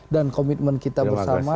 dan komitmen kita bersama